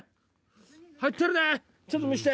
ちょっと見して！